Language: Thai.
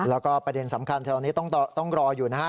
แล้วก็ประเด็นสำคัญแถวนี้ต้องรออยู่นะฮะ